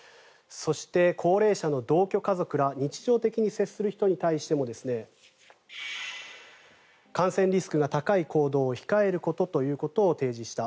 そして、高齢者の同居家族ら日常的に接する人に対しても感染リスクが高い行動を控えることということを提示した。